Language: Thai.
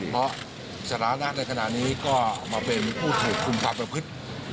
เพราะสถานะในขณะนี้ก็มาเป็นผู้ถูกคุมค้าประพฤติ